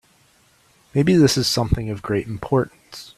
Maybe this is something of great importance.